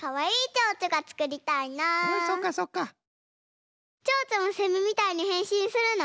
チョウチョもセミみたいにへんしんするの？